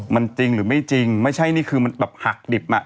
มันจริงหรือไม่จริงไม่ใช่นี่คือมันแบบหักดิบอ่ะ